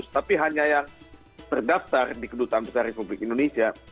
tapi hanya yang berdaftar di kedutaan besar republik indonesia itu seribu tiga ratus lebih